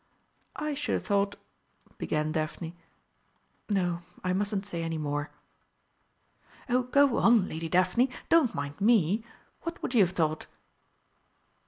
"I should have thought " began Daphne; "no, I mustn't say any more." "Oh, go on, Lady Daphne, don't mind me! What would you have thought?"